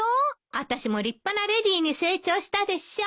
私も立派なレディに成長したでしょ。